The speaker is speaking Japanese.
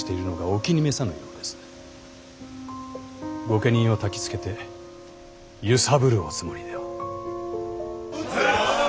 御家人をたきつけて揺さぶるおつもりでは。